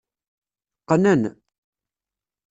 Qqnen.